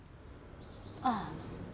ああ。